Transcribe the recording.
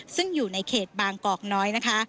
ซึ่งอยู่ในเขตบางกอกน้อยนะคะ